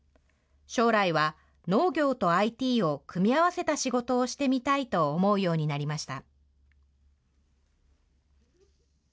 将来は農業とＩＴを組み合わせた仕事をしてみたいと思うようになりました。